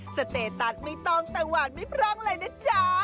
สเตตัสไม่ต้องแต่หวานไม่พร่องเลยนะจ๊ะ